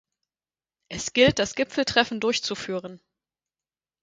Es gilt das Gipfeltreffen durchzuführen.